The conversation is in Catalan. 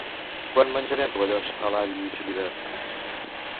Quan menjarem rovellons a l'all i julivert?